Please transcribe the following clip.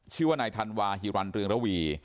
ชื่อว่านายธันวาฮิรันเรืองระวี